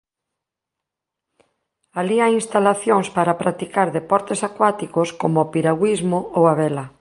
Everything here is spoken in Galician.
Alí hai instalacións para practicar deportes acuáticos como o piragüismo ou a vela.